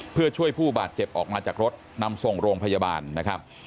เพื่อช่วยผู้บาดเจ็บออกมาจากรถนำส่งโรงพยาบาลนะครับ